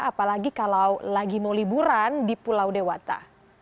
apalagi kalau lagi mau liburan di pulau dewata